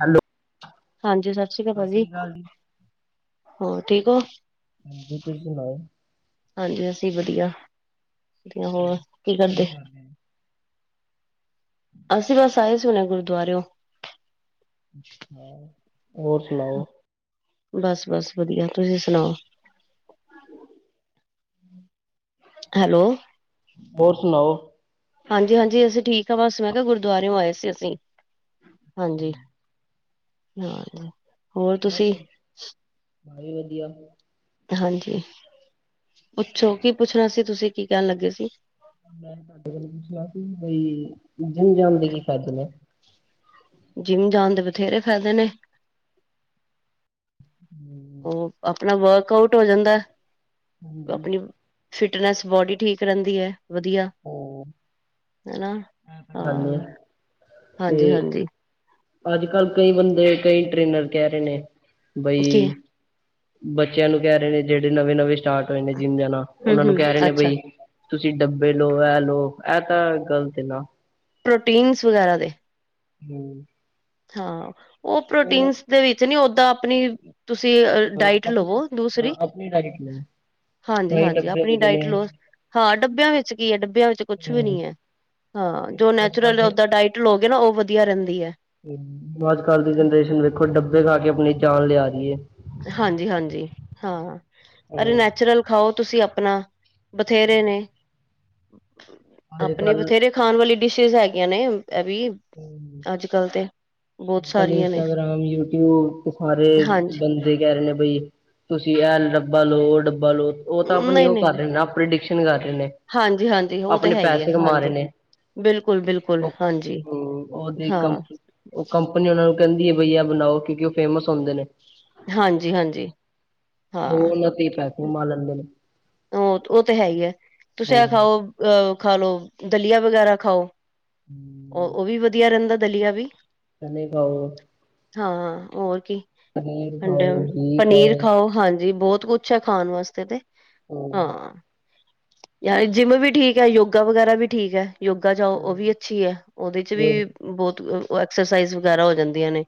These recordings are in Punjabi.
ਹੈਲੋ। ਹਾਂਜੀ, ਸਤਿ ਸ਼੍ਰੀ ਅਕਾਲ ਭਾਜੀ। ਹੋਰ ਠੀਕ ਹੋ ਹਾਂਜੀ, ਤੁਸੀਂ ਸੁਣਾਓ? ਹਾਂਜੀ ਅਸੀਂ ਵਧੀਆ ਵਆ, ਹੋਰ ਕੀ ਕਰਦੇ ਅਸੀਂ ਬਸ ਆਏ ਸੀ ਹੁਣੇ ਗੁਰਦੁਆਰੇਓ ਅੱਛਾ, ਹੋਰ ਸੁਣਾਓ ਬਸ, ਬਸ ਵਧੀਆ। ਤੁਸੀਂ ਸੁਣਾਓ ਹੈਲੋ। ਹੋਰ ਸੁਣਾਓ ਹਾਂਜੀ ਹਾਂਜੀ ਅਸੀਂ ਠੀਕ ਹ ਬਸ, ਮੈਂ ਕਿਹਾ ਗੁਰਦੁਆਰਰੇਓ ਆਏ ਸੀ ਅਸੀਂ ਹਾਂਜੀ ਹਾਂ ਮ ਮ ਵੀ ਵਧੀਆ, ਹਾਂਜੀ ਪੁੱਛੋ ਕੀ ਪੁੱਛਣਾ ਸੀ, ਤੁਸੀਂ ਕੀ ਕਹਿਣ ਲੱਗੇ ਸੀ? ਮੈਂ ਤੁਹਾਡੇ ਕੋਲ ਪੁੱਛਣਾ ਸੀ ਬਈ, ਜਿਮ ਜਾਣ ਦੇ ਕੀ ਫਾਇਦੇ ਨੇ? ਜਿੰਮ ਜਾਣ ਦੇ ਬਥੇਰੇ ਫੈਦੇ ਨੇ। ਉਹ ਆਪਣਾ ਵਰਕ ਆਊਟ ਹੋ ਜਾਂਦਾ, ਹਾਂਜੀ। ਆਪਣੀ ਫਿਟਨੈਸ ਬੋਡੀ ਠੀਕ ਰਹਿੰਦੀ ਹੈ ਵਧੀਆ ਉਹ ਹਨਾ ਇਹ ਤਾਂ ਗੱਲ ਏ ਹਾਂ ਹਾਂਜੀ, ਤੇ ਹਾਂਜੀ ਅੱਜ ਕੱਲ ਕਈ ਬੰਦੇ, ਕਈ ਟ੍ਰੇਨਰ ਕਹਿ ਰਹੇ ਨੇ, ਬਈ ਕੀ ਬੱਚਿਆਂ ਨੂੰ ਕਹਿ ਰਹੇ ਨੇ, ਜਿਹੜੇ ਨਵੇਂ ਨਵੇਂ ਸਟਾਰਟ ਹੋਏ ਨੇ ਜਿੰਮ ਜਾਣਾ, ਹਮ ਉਹਨਾਂ ਨੂੰ ਹਮ ਕਹਿ ਰਹੇ ਨੇ ਅੱਛਾ ਬਾਈ ਤੁਸੀਂ ਡੱਬੇ ਲਓ, ਇਹ ਲਓ, ਇਹ ਤਾਂ ਗਲਤ ਨਾ ਪ੍ਰੋਟੀਨਸ ਵਗੈਰਾ ਦੇ ਹਮ। ਹਾਂ, ਉਹ ਪ੍ਰੋਟੀਨਸ ਦੇ ਵਿੱਚ ਨੀ, ਓਦਾਂ ਆਪਣੀ ਤੁਸੀਂ ਅ ਡਾਇਟ ਆਪਣੇ ਲਵੋ ਅ ਦੂਸਰੀ ਆਪਣੀ ਡਾਇਟ ਨੂੰ ਹਾਂਜੀ ਕਈ -ਹਾਂਜੀ ਡੱਬੇ ਆਪਣੀ ਹੁੰਦੇ ਡਾਇਟ ਨੇ ਲੋ, ਹਾਂ ਡੱਬਿਆਂ ਵਿੱਚ ਕੀ ਹੈ, ਡੱਬਿਆਂ ਵਿੱਚ ਕੁਛ ਵੀ ਹੂੰ ਨੀ ਹੈ ਹਾਂ, ਜੋ ਅੱਜ ਕੱਲ ਨੈਚੁਰਲ ਦੇ ਓਦਾਂ ਡਾਇਟ ਲੋਗੇ ਨਾ, ਉਹ ਵਧੀਆ ਰਹਿੰਦੀ ਹੈ। ਅੱਜ ਕੱਲ੍ਹ ਦੀ ਜਨਰੇਸ਼ਨ ਵੇਖੋ, ਡੱਬੇ ਖਾ ਕੇ ਆਪਣੀ ਜਾਨ ਲਿਆ ਰਹੀ ਹੈ। ਹਾਂਜੀ ਹਾਂਜੀ ਹਾਂ, ਅਰੇ ਹੂੰ ਨੈਚੁਰਲ ਖਾਓ ਤੁਸੀਂ ਆਪਣਾ, ਬਥੇਰੇ ਨੇ, ਅੱਜ ਆਪਣੀ ਕੱਲ ਬਥੇਰੇ ਖਾਣ ਵਾਲੀ ਡਿਸ਼ਿਿਸ ਹੈਗੀਆਂ ਨੇ ਇਹ ਵੀ, ਅੱਜ ਕੱਲ ਤੇ ਬਹੁਤ ਅੱਜ ਕੱਲ੍ਹ ਸਾਰੀਆਂ ਨੇ ਇੰਸਟਾਗ੍ਰਾਮ, ਯੂਟਿਊਬ ਤੇ ਸਾਰੇ ਹਾਂਜੀ ਬੰਦੇ ਕਹਿ ਰਹੇ ਨੇ ਬਈ--ਤੁਸੀਂ ਐਲ ਡੱਬਾ ਲਓ, ਉਹ ਡੱਬਾ ਲਓ ਉਹ ਤਾਂ ਆਪਣੀ ਨਹੀਂ ਉਹ ਨਹੀਂ ਕਰ ਰਹੇ ਨੇ ਪ੍ਰਡਿਕਸ਼ਨ ਕਰ ਰਹੇ ਨੇ, ਹਾਂਜੀ ਹਾਂਜੀ ਉਹ ਤੇ ਆਪਣੇ ਹੈ ਹੀ ਹੈ ਪੈਸੇ ਕਮਾ ਰਹੇ ਹਾਂਜੀ ਨੇ ਬਿਲਕੁਲ, ਬਿਲਕੁਲ ਹਾਂਜੀ ਹਮ, ਉਹਦੀ ਹਾਂ, ਕੰਪ ਉਹ ਕੰਪਨੀ ਉਹਨਾ ਨੂੰ ਕਹਿੰਦੀ ਹੈ ਬਈ, ਆ ਬਣਾਓ ਕਿਉਂਕਿ ਉਹ ਫੇਮਸ ਹੁੰਦੇ ਨੇ ਹਾਂਜੀ ਹਾਂਜੀ। ੳਹੋ ੳਨਾ ਤੋ ਪੈਸਾ ਕਮਾ ਲੈਦੇ ਨੇ। ਉਹ ਉਹ ਤਾਂ ਹੈ ਹੀ ਹੈ, ਤੁਸੀਂ ਆ ਹੂੰ। ਖਾਓ ਅਹ ਖਾ ਲਓ ਦਲੀਆ ਵਗੈਰਾ ਖਾਓ। ਉਹ, ਉਹ ਵੀ ਵਧੀਆ ਰਹਿੰਦਾ ਦਲੀਆ ਵੀ ਚਨੇ ਖਾੳ, ਉਹ ਹਾਂ ਹੋਰ ਕੀ, ਪਨੀਰ ਅੰਡੇ, ਖਾਓ, ਘੀ ਪਨੀਰ ਖਾਓ ਹਾਂਜੀ ਬਹੁਤ ਕੁਛ ਅਛਾ ਖਾਣ ਵਾਸਤੇ ਤੇ, ਹਾਂ। ਹਾਂ ਯਾ ਜਿੰਮ ਵੀ ਠੀਕ ਹੈ, ਯੋਗਾ ਵਗੈਰਾ ਵੀ ਠੀਕ ਹੈ। ਯੋਗਾ ਜਾਓ ਉਹ ਵੀ ਅੱਛੀ ਹੈ, ਉਹਦੇ 'ਚ ਵੀ ਯੋਗ ਬਹੁਤ ਐਕਸਰਸਾਈਜ਼ ਵਗੈਰਾ ਹੋ ਜਾਂਦੀਆਂ ਨੇ।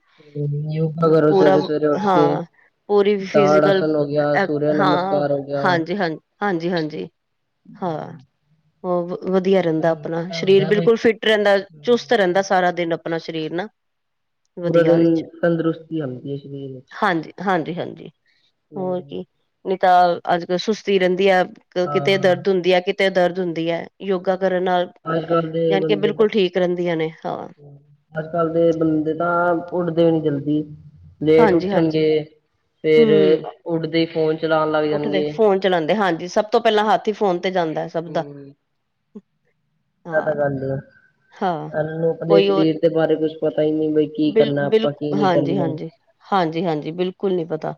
ਯੋਗਾ ਕਰੋ ਪੂਰਾ, ਸਵੇਰੇ-ਸਵੇਰੇ ਉੱਠ ਕੇ। ਹਾਂ ਪੂਰੀ ਤਾੜ ਫਿਜ਼ਕਲ, ਆਸਨ ਹੋ ਗਿਆ, ਸੂਰਿਆ ਹਾਂ ਨਮਸਕਾਰ ਹੋ ਗਿਆ। ਹਾਂਜੀ ਹਾਂਜੀ ਹਾਂਜੀ ਹਾਂਜੀ, ਹਾਂ ਉਹ ਵਧੀਆ ਰਹਿੰਦਾ ਆਪਣਾ, ਇਹ ਸਰੀਰ ਹੁੰਦਾ ਬਈ ਬਿਲਕੁਲ ਫਿੱਟ ਰਹਿੰਦਾ, ਚੁਸਤ ਹਮ, ਪੂ- ਰਹਿੰਦਾ ਸਾਰਾ ਦਿਨ ਆਪਣਾ ਸਰੀਰ ਨਾ, ਪੂਰਾ ਵਧੀਆ ਦਿਨ ਵਿੱਚ ਤੰਦਰੁਸਤੀ ਆਂਦੀ ਸਰੀਰ ਵਿਚ ਹਾਂਜੀ ਹਾਂਜੀ ਹਾਂਜੀ ਹੋਰ ਕੀ ਨਹੀਂ ਤਾਂ ਅੱਜ ਕੱਲ੍ਹ ਸੁਸਤੀ ਰਹਿੰਦੀ ਆ, ਕਿਤੇ ਹਾਂ, ਦਰਦ ਹੁੰਦੀ ਹੈ, ਕਿਤੇ ਤੇ ਦਰਦ ਹੁੰਦੀ ਐ ਯੋਗਾ ਕਰਨ ਨਾਲ, ਅੱਜ-ਕੱਲ੍ਹ ਦੇ ਜਾਣੀ ਕਿ ਬੰਦੇ ਬਿਲਕੁਲ ਠੀਕ ਰਹਿੰਦੀਆਂ ਨੇ ਹਾਂ। ਅੱਜ-ਕੱਲ੍ਹ ਦੇ ਬੰਦੇ ਤਾਂ ਉੱਡਦੇ ਨੀ ਜਲਦੀ, ਲੇਟ ਉੱਠਣਗੇ ਫੇਰ ਹੂੰ, ਉੱਠਦੇ ਹੀ ਫੋਨ ਚਲਾਉਣ ਲੱਗ ਉੱਠਦੇ ਜਾਣਗੇ ਫੋਨ ਚਲਾਂਦੇ ਹਾਂਜੀ, ਸਭ ਤੋਂ ਪਹਿਲਾਂ ਹੱਥ ਈ ਫੋਨ ਤੇ ਜਾਂਦਾ। ਸਭ ਦਾ। ਐ ਹਾਂ ਤਾਂ ਗੱਲ ਏ। ਹਾਂ ਸਨੂੰ ਆਪਣੇ ਕੋਈ ਹੋਰ ਸਰੀਰ ਦੇ ਬਾਰੇ ਕੁਛ ਪਤਾ ਈ ਨਹੀਂ, ਬਈ ਕੀ ਕਰਨਾ ਆਪਾਂ ਕੀ ਨਹੀਂ ਕਰਨਾ। ਹਾਂਜੀ-ਹਾਂਜੀ ਬਿਲਕੁਲ ਨੀ ਪਤਾ,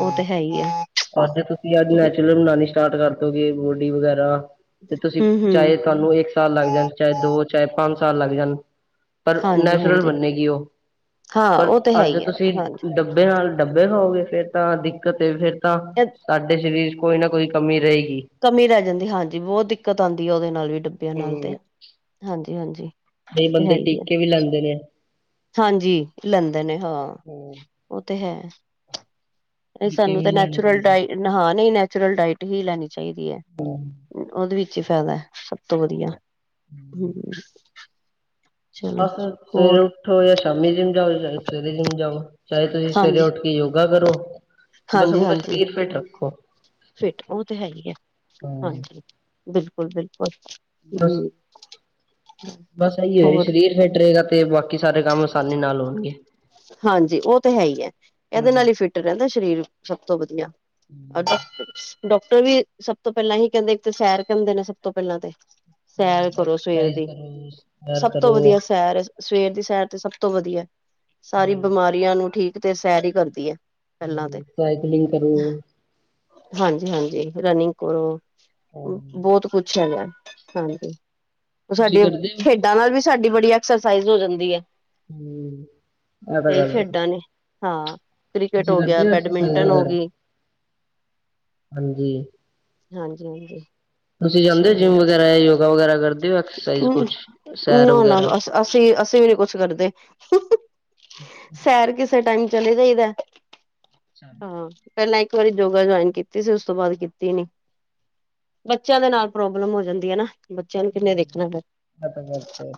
ਉਹ ਤੇ ਹੈ ਈ ਆ। ਬਸ ਜੇ ਤੁਸੀਂ ਅੱਜ ਨੈਚੁਰਲ ਬਣਾਣੀ ਸਟਾਰਟ ਕਰਦੋ ਗੇ, ਬੋਡੀ ਵਗੈਰਾ ਤੇ ਤੁਸੀਂ ਹਮ ਹਮ ਚਾਹੇ ਤੁਹਾਨੂੰ ਇੱਕ ਸਾਲ ਲੱਗ ਜਾਣ, ਚਾਹੇ ਦੋ, ਚਾਹੇ ਪੰਜ, ਸਾਲ ਲੱਗ ਜਾਣ। ਪਰ ਹਾਂਜੀ ਨੈਚੁਰਲ ਹਾਂਜੀ ਬੰਨੇਗੀ ਉਹ, ਹਾਂ ਪਰ ਉਹ ਤੇ ਹੈ ਅਰ ਜੇ ਹੀ ਹੈ ਤੁਸੀਂ ਹਾਂਜੀ ਡਕ ਉਹਦੇ ਨਾਲ ਡੱਬੇ ਖਾਉਗੇ, ਫੇਰ ਤਾਂ ਦਿੱਕਤ ਫੇਰ ਤਾਂ ਇਹ ਸਾਡ੍ਹੇ ਸਰੀਰ 'ਚ ਕੋਈ ਨਾ ਕੋਈ ਕਮੀ ਰਹੇਗੀ। ਕਮੀ ਰਹਿ ਜਾਂਦੀ ਹਾਂਜੀ ਬਹੁਤ ਦਿੱਕਤ ਆਉਂਦੀ ਆ, ਉਹਦੇ ਨਾਲ ਵੀ ਡੱਬਿਆਂ ਨਾਲ ਤੇ ਹਾਂਜੀ-ਹਾਂਜੀ। ਕ‌ਈ ਬੰਦੇ ਟੀਕੇ ਵੀ ਲਾਂਦੇ ਨੇ। ਹਾਂਜੀ, ਲੰਦੇਂ ਹਾਂ। ਹੂੰ। ਉਹ ਤੇ ਹੈ, ਨਹੀਂ ਟੀਕੇ ਸਾਨੂੰ ਵੀ ਤੇ ਲੈਣੇ ਨੈਚੁਰਲ ਚਾਹੀਦੇ। ਡਾਇ ਹਾਂ, ਨਹੀਂ ਨੈਚੁਰਲ ਡਾਇਟ ਹੀ ਲੈਣੀ ਚਾਹੀਦੀ ਐ। ਹਮ। ਉਹਦੇ ਵਿੱਚ ਈ ਫਾਇਦਾ ਐ, ਸਭ ਤੋਂ ਵਧੀਆ ਹੂੰ। ਬਸ, ਸਵੇਰੇ ਉੱਠੋ ਜਾਂ ਸ਼ਾਮੀ ਜਿਮ ਜਾਓ ਜਾਂ ਸਵੇਰੇ ਜਿਮ ਜਾਓ। ਚਾਹੇ ਤੁਸੀਂ ਸਵੇਰੇ ਹਾਂਜੀ ਉੱਠ ਕੇ ਯੋਗਾ ਕਰੋ, ਬਸ ਹਾਂਜੀ ਆਪਣਾ ਹਾਂਜੀ ਸਰੀਰ ਫਿਟ ਰੱਖੋ। ਫਿਟ, ਉਹ ਤੇ ਹੈ ਈ ਐ, ਹੂੰ। ਹਾਂਜੀ ਬਿਲਕੁਲ-ਬਿਲਕੁਲ ਬਸ ਹੁੰ। [inaudible] ਬਸ ਇਹੀ ਐ, ਸਰੀਰ ਫਿੱਟ ਰਹੇਗਾ ਤੇ ਬਾਕੀ ਸਾਰੇ ਕੰਮ ਆਸਾਨੀ ਨਾਲ ਹੋਣਗੇ। ਹਾਂਜੀ ਉਹ ਤੇ ਹੈ ਈ ਐ, ਇਹਦੇ ਨਾਲ ਹੂੰ-ਹੂੰ। ਈ ਫਿੱਟ ਰਹਿੰਦੇ ਸਰੀਰ, ਸਭ ਤੋਂ ਵਧੀਆ। ਡ ਡਾਕਟਰ ਵੀ ਸਭ ਤੋਂ ਪਹਿਲਾਂ ਇਹੀ ਕਹਿੰਦੇ, ਇੱਕ ਤੇ ਸੈਰ ਕਰਨਦੇ ਨੇ ਸਭ ਤੋਂ ਪਹਿਲਾਂ ਤੇ ਸੈਰ ਕਰੋ ਸਵੇਰ ਐਕਸਰਸਾਈਜ਼ ਦੀ, ਕਰੋ, ਸੈਰ ਸਭ ਤੋਂ ਕਰੋ। ਵਧੀਆ ਸੈਰ ਸਵੇਰ ਦੀ ਸੈਰ ਤੇ ਸਭ ਤੋਂ ਵਧੀਆ। ਸਾਰੀ ਹੂੰ। ਬਿਮਾਰੀਆਂ ਨੂੰ ਠੀਕ ਤੇ ਸੈਰ ਈ ਕਰਦੀ ਐ, ਪਹਿਲਾਂ ਤੇ ਹੂੰ, ਸਾਈਕਲਿੰਗ ਕਰੋ। ਹਾਂਜੀ-ਹਾਂਜੀ ਰਨਿੰਗ ਕਰੋ, ਅਮ, ਬਹੁਤ ਪੁੱਛਿਆ ਗਿਆ, ਹਾਂਜੀ ਉਹ ਤੁਸੀਂ ਸਾਡੀਆਂ ਕਰਦੇ ਹੋ? ਖੇਡਾਂ ਨਾਲ ਵੀ ਸਾਡੀ ਬੜੀ ਐਕਸਰਸਾਈਜ਼ ਹੋ ਜਾਂਦੀ ਐ। ਹੂੰ। ਇਹ ਤਾਂ ਕਈ ਗੱਲ ਹੈ। ਖੇਡਾਂ ਨੇ, ਹਾਂ। ਕ੍ਰਿਕਟ ਤੁਸੀਂ ਹੋ ਗਿਆ, ਕਰਦੇ ਐਕਸਰਸਾਈਜ਼ ਬੈਡਮਿੰਟਨ ਹੋ ਵਗੈਰਾ? ਗੀ ਹਾਂਜੀ, ਹਾਂਜੀ-ਹਾਂਜੀ। ਤੁਸੀਂ ਜਾਂਦੇ ਓ ਜਿੰਮ ਵਗੈਰਾ, ਯੋਗਾ ਵਗੈਰਾ ਕਰਦੇ ਓ ਐਕਸਰਸਾਈਜ਼ ਕੁਛ, ਸੈਰ ਵਗੈਰਾ ਅਸੀਂ-ਅਸੀਂ ਵੀ ਨੀ ਕੁਛ ਕਰਦੇ, ਸੈਰ ਕਿਸੇ ਉਸੇ ਟਾਈਮ ਚਲੇ ਜਾਈਦਾ, ਅੱਛਾ, ਹਾਂ। ਪਹਿਲਾਂ ਇੱਕ ਵਾਰੀ ਯੋਗਾ ਜੁਆਇਨ ਕੀਤੀ ਸੀ, ਉਸ ਤੋਂ ਬਾਅਦ ਕੀਤੀ ਨੀ। ਬੱਚਿਆਂ ਦੇ ਨਾਲ ਪ੍ਰੋਬਲਮ ਹੋ ਜਾਂਦੀ ਐ ਨਾ, ਬੱਚਿਆਂ ਨੂੰ ਕਿੰਨੇ ਹਮ, ਦੇਖਣਾ ਫਿਰ, ਇਹ ਤਾਂ ਗੱਲ ਹੈ,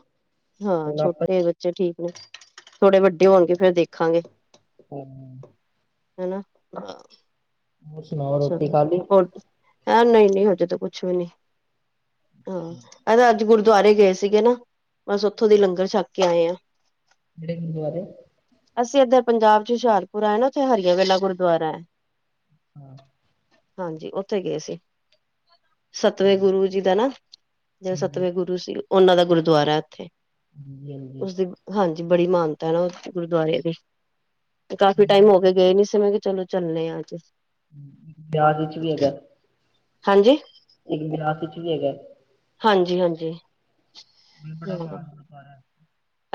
ਹਾਂ ਹੁਣ ਆਪਾਂ ਛੋਟੇ ਬੱਚ ਅੱਛਾ ਠੀਕ ਨੇ, ਥੋੜੇ ਵੱਡੇ ਹੋਣਗੇ ਫੇਰ ਦੇਖਾਂਗੇ। ਹਮ। ਹਨਾ ਹਾ ਹੋਰ ਸੁਣਾਓ ਅੱਛਾ ਰੋਟੀ ਫਿਰ ਖਾ ਲਈ? ਹੋਰ ਦੱਸੋ ਹੈ ਨਹੀਂ ਨਹੀਂ ਹਜੇ ਤੋਂ ਕੁਛ ਵੀ ਨੀ ਹਾਂ ਇਹ ਅੱਜ ਗੁਰਦੁਆਰੇ ਗਏ ਸੀਗੇ ਨਾ ਬਸ ਉੱਥੋਂ ਦੇ ਲੰਗਰ ਛੱਕ ਕੇ ਆਏ ਆਾਂ ਕਿਹੜੇ ਗੁਰੂਦਵਾਰੇ ਅਸੀਂ ਇਏਧਰ ਪੰਜਾਬ ਹੁਸ਼ਿਆਰਪੁਰ ਆਏ ਨਾ ਉੱਥੇ ਹਰੀਆਂ ਵੇਲਾ ਗੁਰਦੁਆਰਾ ਹੈ ਹਮ ਹਾਂਜੀ ਉੱਥੇ ਗਏ ਸੀ ਅੱਛਾ, ਸੱਤਵੇਂ ਗੁਰੂ ਜੀ ਦਾ ਨਾ ਜਿਹੜਾ ਹਾਂਜੀ, ਸੱਤਵੇਂ ਗੁਰੂ ਸੀ ਉਹਨਾਂ ਦਾ ਗੁਰਦੁਆਰਾ ਉੱਥੇ ਹਾਂਜੀ, ਹਾਂਜੀ। ਉਸਦੀ ਹਾਂਜੀ ਬੜੀ ਮਾਨਤਾ ਹੈ ਨਾ ਉੱਥੇ ਗੁਰਦੁਆਰੇ ਦੀ ਕਾਫ਼ੀ ਇੱਕ ਬਿ- ਟਾਈਮ ਹੋ ਕੇ ਗਏ ਨੀ ਸੀ ਮਂ ਚਲੋ ਚੱਲੇ ਆ ਅੱਜ ਵਿਆਜ ਵਿੱਚ ਵੀ ਹੈਗਾ ਹਾਂਜੀ ਇੱਕ ਗਲਾਸ ਵਿਚ ਵਿ ਹੈਗਾ ਹਾਂਜੀ ਹਾਂਜੀ ਵੀ ਬੜਾ ਹਾਂ ਮਾਾਰ ਸਾਰਾ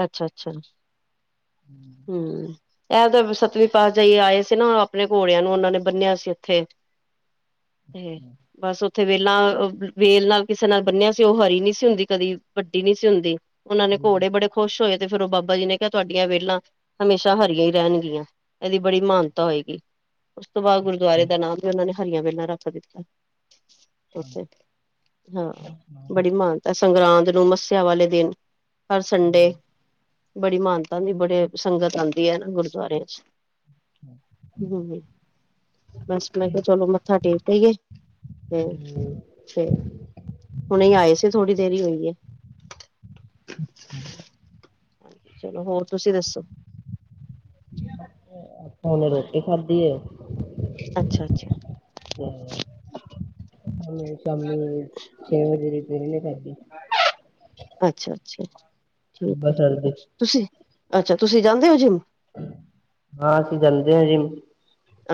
ਅੱਛਾ ਅੱਛਾ ਹਮ ਇਹ ਤਾਂ ਸਤਵੀਂ ਪਾਤ ਸ਼ਾਹੀ ਆਏ ਸੀ ਨਾ ਆਪਣੇ ਘੋੜਿਆਂ ਨੂੰ ਉਹਨਾਂ ਨੇ ਬੰਨਿਆ ਸੀ ਇੱਥੇ ਤੇ ਹੈ। ਬਸ ਉੱਥੇ ਵੇਲਾਂ ਵੇਲ ਨਾਲ ਕਿਸੇ ਨਾਲ ਬੰਨਿਆ ਸੀ ਉਹ ਹਰੀ ਨ ਸੀ ਹੁੰਦੀ ਕਦੀ ਵੱਡੀ ਨਹੀਂ ਸੀ ਹੁੰਦੀ ਉਹਨਾਂ ਨੇ ਹਾਂਜੀ, ਘੋੜੇ ਬੜੇ ਖੁਸ਼ ਹੋਏ ਤੇ ਫੇਰ ਉਹ ਬਾਬਾ ਜੀ ਨੇ ਕਿਹਾ ਤੁਹਾਡੀਆਂ ਵ ਵਿਹਲਾਾਂ ਹਮੇਸ਼ਾ ਹਰੀਆਂ ਹੀ ਰਹਿਣਗੀਆਂ ਇਹਦੀ ਬੜੀ ਮਾਨਤਾ ਹੋਏਗੀ ਉਸ ਤੋਂ ਬਾਅਦ ਅੱਛਾ ਗੁਰਦੁਆਰੇ ਦਾ ਨਾਮ ਵੀ ਉਹਨਾਂ ਨੇ ਹਰੀਆਂ ਵੇਲਾ ਰੱਖ ਦਿੱਤਾ ਅੱਛਾ ਉੱਥੇ ਹਾਂ ਹੋਰ ਸੁਣਾਓ ਬੜੀ ਮਾਨਤਾ ਸੰਗਰਾਂਦ ਨੂੰ ਮੱਸਿਆ ਵਾਲੇ ਦਿਨ ਹਰ ਸੰਡੇ ਬੜੀ ਮਹਾਨਤਾ ਦੀ ਬੜੇ ਸੰਗਤ ਆਉਂਦੀ ਹੈ ਨਾ ਗੁਰਦੁਆਰਿਆਂ ਚ ਹਮ ਬਸ ਮੈ ਕਿਹਾ ਚਲੋ ਮੱਥਾ ਟੇਕ ਆਈਏ ਹ ਫੇਰ ਹੁਣੇ ਆਏ ਸੀ ਥੋੜ੍ਹੀ ਦੇਰ ਹੀ ਹੋਈਏ ਹਮ ਹਾਂਜੀ ਚਲੋ ਹੋਰ ਤੁਸੀਂ ਦੱਸੋ ਆਪ ਹੁ ਣੇ ਰੋਟੀ ਖਾਧੀ ਹੈ ਅੱਛਾ ਅੱਛਾ ਹਾਂ ਸ਼ਾਮੀ ਛੇ ਵਜੇ ਰਿਪਰ ਨਹੀਂ ਕਰਦੀ ਅੱਛਾ ਅੱਛਾ ਠੀਕ ਹੈ ਠੀਕ ਬਸਰ ਹੈ ਦੀ ਤੁਸੀਂ ਅੱਛਾ ਤੁਸੀਂ ਜਾਂਦੇ ਹੋ ਜਿਮ ਹਾਂ ਅਸੀਂ ਜਾਂਦੇ ਹਾਂ ਜਿਮ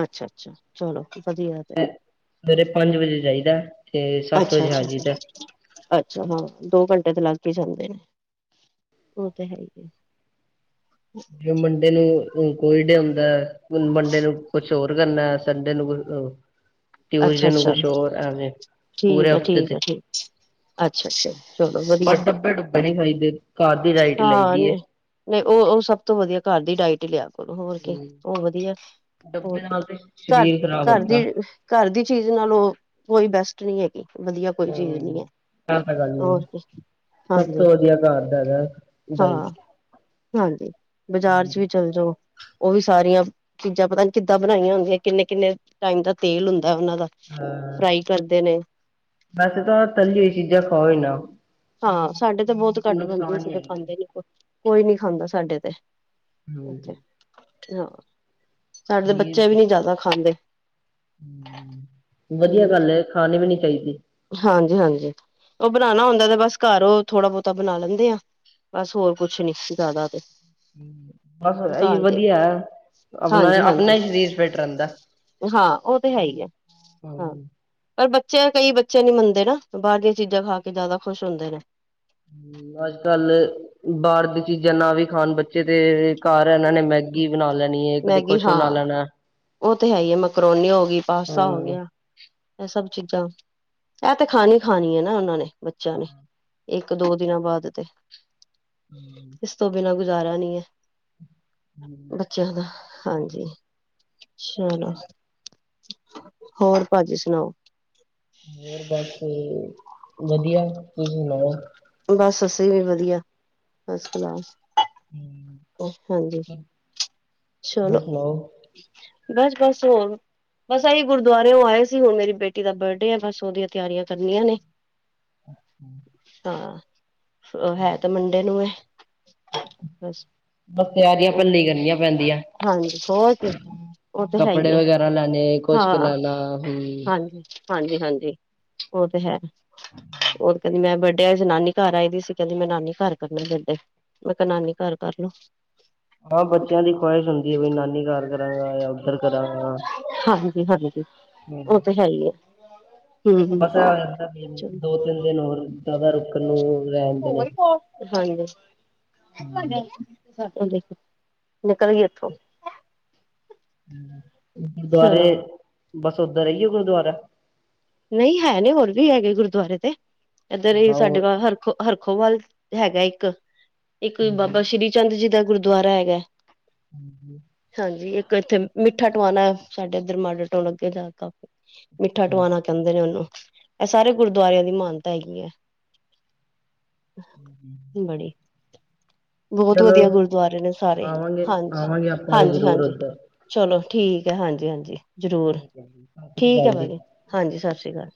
ਅੱਛਾ ਅੱਛਾ ਚਲੋ ਵਧੀਆ ਤੇ ਸਵੇਰੇ ਪੰਜ ਵਜੇ ਚਈਦਾ ਤੇ ਸੱਤ ਅੱਛਾ ਵਜੇ ਅੱਛਾ ਹਜੀਈਦਾ ਅੱਛਾ ਹਾਂ ਦੋ ਘੰਟੇ ਤੇ ਲੱਗ ਹੀ ਜਾਂਦੇ ਨੇ ਉਹ ਤਾਂ ਹੈ ਹੀ ਆ ਜੈ ਮੰਡੇ ਨੂੰ ਕੋਈ ਡ ਆਉਂਦਾ ਮੰਡੇ ਨੂੰ ਕੁਛ ਹੋਰ ਕਰਨਾ ਸੰਡੇ ਨੂੰ ਕੁਛ ਅੱਛਾ ਟਿਊਸਡੇ ਨੂੰ ਅੱਛਾ ਕੁਛ ਹੋਰ ਐਵੇਂ ਪੂਰੇ ਠੀਕ ਹੈ, ਹਫ਼ਤੇ ਠੀਕ ਤੇ ਆ ਠੀਕ। ਅੱਛਾ ਅੱਛਾ। ਚਲੋ ਵਧੀਆ ਬਸ ਡੱਬੇ ਡੁੱਬੇ ਨੀ ਖਾਈਦੇ ਘਰ ਦੀ ਡਾਈਟ ਲਾਈ ਹਾਂ ਦੀ। ਨਹੀਂ ਨਹੀਂ, ਉਹ, ਉਹ ਸਭ ਤੋਂ ਵਧੀਆ ਘਰ ਦੀ ਡਾਇਟ ਲਿਆ। ਚੋ ਹੋਰ ਕੀ ਏ ਹੋਰ ਵਧੀਆ, ਡੱਬੇ ਹੋਰ ਨਾਲ ਤੇ ਘਰ, ਸਰੀਰ ਖ਼ਰਾਬ ਘਰ ਹੁੰਦਾ। ਦੀ। ਘਰ ਦੀ ਚੀਜ਼ ਨਾਲੋਂ, ਕੋਈ ਬੈਸਟ ਨਹੀਂ ਹੈਗੀ। ਵਧੀਆ ਕੋਈ ਚੀਜ਼ ਨੀ ਹੈ ਹੂੰ। ਐ ਤਾਂ ਗੱਲ ਏ, ਹੋਰ ਕੀ। ਸਭ ਹਾਂਜੀ ਤੋਂ ਵਧੀਆ ਕਾਰ ਦਾ ਹੈਗਾ ਡਾਈਟ ਹਾਂ ਹਾਂਜੀ ਬਾਜ਼ਾਰ ਚ ਵੀ ਚੱਲ ਜੋ। ਓ ਵੀ ਸਾਰੀਆਂ ਚੀਜ਼ਾਂ ਪਤਾ ਨੀ ਕਿੱਦਾਂ ਬਣਾਈਆਂ ਹੁੰਦੀਆਂ। ਕਿੰਨੇ-ਕਿੰਨੇ ਟਾਈਮ ਦਾ ਤੇਲ ਹੁੰਦਾ ਓਨਾਂ ਦਾ ਹਾਂ ਫਰਾਈ ਕਰਦੇ ਨੇ ਵੈਸੇ ਤਾਂ, ਤੱਲੀ ਹੋਈ ਚੀਜ਼ਾਂ ਖਾਓ ਈ ਨਾ। ਹਾਂ ਸਾਡੇ ਤੇ ਬੋਤ ਘੱਟ ਬਣਦੀ। ਨੁਕਸਾਨ ਅਸੀਂ ਈ ਤੇ ਹੈਗੀ ਏ। ਖਾਂਦੇ ਨੀ ਕੋਈ ਨੀ ਖਾਂਦਾ ਸਾਡੇ ਤੇ ਹੂੰ। ਹਾਂ, ਸਾਡੇ ਦੇ ਨੀਰ ਬੱਚੇ ਵੀ ਹੂੰ। ਨੀ ਜਾਦਾ ਖਾਂਦੇ। ਵਧੀਆ ਹਮ ਗੱਲ ਐ ਖਾਣੀ ਵੀ ਨੀ ਚਾਇਦੀ। ਹਾਂਜੀ-ਹਾਂਜੀ ਓ ਬਣਾਣਾ ਹੁੰਦਾ ਤੇ ਬਸ ਕਾਰੋ ਥੋੜਾ-ਬੋਤਾ ਬਣਾ ਲੈਂਦੇ ਆ। ਬਸ ਹੋਰ ਕੁਛ ਨੀ ਜ਼ਿਆਦਾ ਤੇ ਬਸ ਐਹੀ ਘਰ ਦੇ ਵਧੀਆ। ਆਪਣਾ-ਆਪਣਾ ਹਾਂਜੀ-ਹਾਂਜੀ ਈ ਸ਼ਰੀਰ ਫਿਟ ਰੈੰਦਾ। ਹਾਂ ਉਹ ਤੇ ਹੈ ਹੀ ਹੈ ਹਾਂ ਪਰ ਬੱਚੇ ਕਈ ਬੱਚੇ ਨੀ ਮੰਨਦੇ ਨਾ ਬਾਹਰ ਦੀਆਂ ਚੀਜ਼ਾਂ ਖਾ ਕੇ ਜ਼ਿਆਦਾ ਖੁਸ਼ ਹੁੰਦੇ ਨੇ। ਅੱਜ-ਕੱਲ ਬਾਹਰ ਦੀ ਚੀਜ਼ਾਂ ਨਾ ਵੀ ਖਾਣ ਬੱਚੇ ਤੇ ਕਾਰ ਐਨਾਂ ਨੇ ਮੈਗੀ ਬਣਾ ਲੈਣੀ ਏ। ਕਦੇ ਮੈਗੀ ਕੁਛ ਬਣਾ ਹਾਂ। ਲੈਣਾ। ਓ ਤੇ ਹੈ ਹੀ ਏ। ਮੈਕਰੋਨੀ ਹੋ ਗਈ, ਪਾਸਤਾ ਹੋ ਹਾਂ। ਗਯਾ। ਐ ਸਭ ਚੀਜ਼ਾਂ ਐ ਤੇ ਖਾਣੀ-ਖਾਣੀ ਏ ਨਾ ਓਨਾਂ ਨੇ ਬੱਚਿਆਂ ਨੇ ਇੱਕ-ਦੋ ਦਿਨਾਂ ਬਾਦ ਤੇ ਹਮ। ਇਸ ਤੋਂ ਬਿਨਾ ਗੁਜ਼ਾਰਾ ਨੀ ਐ। ਹੂੰ। ਚਲੋ ਹਾਂਜੀ ਚਲੋ ਅੱਜ ਹੋਰ ਪਾਜੀ ਸੁਨਾਓ। ਹੋਰ ਬਸ, ਵਧੀ ਤੁਸੀਂ ਸੁਨਾਓ। ਬਸ ਅਸੀਂ ਵੀ ਵਧੀਆ। ਫਸ-ਕਲਾਸ। [inaudible] ਓ ਹਾਂਜੀ ਮੈਂ ਹੋਰ ਚਲੋ ਸੁਣਾਓ? ਬਸ-ਬਸ ਹੋਰ ਬਸ ਐਹੀ ਗੁਰਦੁਆਰੇ ਓ ਆਏ ਸੀ ਹੁਣ ਮੇਰੀ ਬੇਟੀ ਦਾ ਬਰਡੇ ਆ ਬਸ ਉਹਦੀਆਂ ਤੇਆਰੀਆਂ ਕਰਨੀਆਂ ਨੇ। ਹਾਂ ਹੈ ਤੇ ਮੰਡੇ ਨੂੰ ਏ ਬਸ। ਬਸ ਤੇਆਰਿਆਂ ਉਹ ਪੈਲੇ ਹੀ ਕਰਨੀਆਂ ਪੈਂਦੀਆਂ। ਹਾਂਜੀ ਹੋਰ ਕੀ, ਓ ਤੇ ਹੈ ਈ ਕੱਪੜੇ ਐ। ਵਗੈਰਾ ਲੈਣੇ ਕੁਛ ਕੁ ਹਾਂ, ਲੈਣਾ ਹੂੰ। ਹਾਂਜੀ। ਹਾਂਜੀ-ਹਾਂਜੀ ਓ ਤੇ ਹੈ। ਓ ਕੈਂਦੀ ਮੈਂ ਬਡੇ ਅੱਜ ਨਾਨੀ ਘਰ ਆਈ ਦੀ ਸੀ। ਕੈੰਦੀ ਮੈਂ ਨਾਨੀ ਘਰ ਕਰਨਾ ਬੱਡੇ। ਮੈਂ ਕੇਹਾ, ਨਾਨੀ ਕਾਰ ਕਰਲੋ। ਹਾਂ, ਬੱਚਿਆਂ ਦੀ ਖਵਾਹਿਸ਼ ਹੁੰਦੀ ਏ ਬਈ ਨਾਨੀ ਕਾਰ ਕਰਾਂਗਾ ਜਾਂ ਉੱਧਰ ਕਰਾਂਗਾ। ਹਾਂਜੀ ਹਾਂਜੀ ਹਮ, ਓ ਤੇ ਹੈਗੀ ਏ। ਹ [unintelligible] ਬਸ ਐ ਦੋ-ਤਿੰਨ ਦਿਨ ਹੋਰ ਜਾਦਾ ਰੁਕਣ ਨੂੰ ਰਹਿ ਆਂਦੇ ਨੇ। ਚਲੋ ਹਾਂਜੀ। ਹਮ, ਨਿਕਲ ਗਈ ਉਥੋ। ਗੁਰਦੁਆਰੇ, ਚਲੋ ਬਸ ਉਧਰ ਐਇਓ ਗੁਰਦੁਆਰਾ। ਨਹੀਂ ਹੈ ਨੇ ਹੋਰ ਵੀ ਹੈਗੇ ਗੁਰਦੁਆਰੇ ਤੇ, ਐਧਰ ਹੀ ਹਾਂ ਉਹ ਸਾਡੇ ਕੋ ਹਰ ਹਰ ਕੋਈ ਵੱਲ ਹੈਗਾ ਇੱਕ, ਇੱਕ ਹਾਂਜੀ। ਬਾਬਾ ਸ੍ਰੀ ਚੰਦ ਜੀ ਦਾ ਗੁਰਦੁਆਰਾ ਹੈਗਾ। ਹਾਂਜੀ। ਹਾਂਜੀ ਇੱਕ ਇੱਥੇ ਮਿੱਠਾ ਟਵਾਣਾ, ਸਾਡੇ ਐਧਰ ਮਾਡਲ ਟਾਊਨ ਅਗੇ ਜਾ ਕੇ ਕਾ ਮਿੱਠਾ ਅੱਛਾ ਟਵਾਣਾ ਕੈਂਦੇ ਨੇ ਓਨੂੰ, ਐ ਸਾਰੇ ਗੁਰਦੁਆਰਿਆਂ ਦੀ ਮਾਨਤਾ ਹੈਗੀ ਐਂ। ਬੜੀ ਬੋਤ ਚਲੋ ਵਦੀਆ ਗੁਰਦੁਆਰੇ ਨੇ ਸਾਰੇ, ਆਵਾਂਗੇ ਆਵਾਂਗੇ ਆਪਾਂ ਵੀ ਜ਼ਰੂਰ ਹਾਂਜੀ-ਹਾਂਜੀ-ਹਾਂਜੀ। ਉੱਧਰ ਚਲੋ ਠੀਕ ਐ ਹਾਂਜੀ-ਹਾਂਜੀ ਜ਼ਰੂਰ, ਠੀਕ ਹੈ ਜੀ ਸਤਿ ਸ੍ਰੀ ਠੀਕ ਐ ਅਕਾਲ ਜੀ ਭਾਜੀ। ਹਾਂਜੀ, ਸਸ ਰੀ ਕਾਲ।